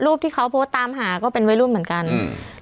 ที่เขาโพสต์ตามหาก็เป็นวัยรุ่นเหมือนกันอืม